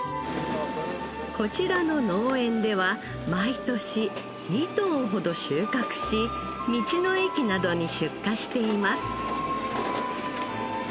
こちらの農園では毎年２トンほど収穫し道の駅などに出荷しています。